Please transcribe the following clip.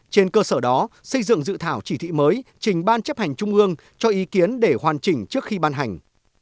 trên cơ sở đó xây dựng dự thảo chỉ thị mới trình ban chấp hành trung ương cho ý kiến để hoàn chỉnh trước khi ban hành